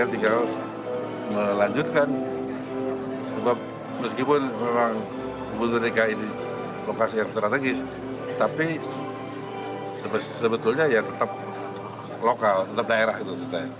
tetap lokal tetap daerah itu